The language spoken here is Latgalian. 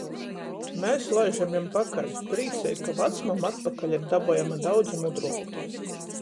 Mes laižam jam pakaļ, prīceigi, ka vacmama atpakaļ ir dabojama daudzi mudruok.